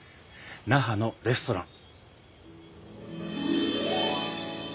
那覇のレストラン。